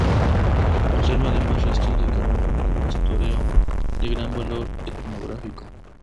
Conserva además restos de cabañas de pastoreo de gran valor etnográfico.